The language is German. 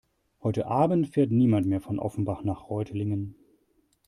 Heute Abend fährt niemand mehr von Offenbach nach Reutlingen